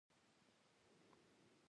په سلګونو ناروغان پراته ول.